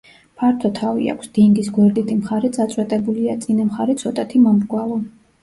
ფართო თავი აქვს, დინგის გვერდითი მხარე წაწვეტებულია, წინა მხარე ცოტათი მომრგვალო.